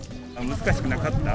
難しくなかった？